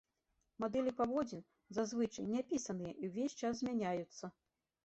Мадэлі паводзін, зазвычай, няпісаныя і ўвесь час змяняюцца.